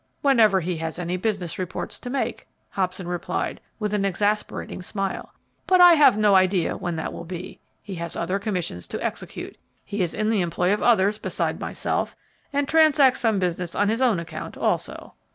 "Whenever he has any business reports to make," Hobson replied, with an exasperating smile; "but I have no idea when that will be. He has other commissions to execute; he is in the employ of others besides myself, and transacts some business on his own account also."